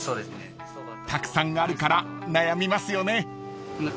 ［たくさんあるから悩みますよね］